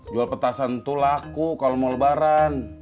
jual petasan itu laku kalau mau lebaran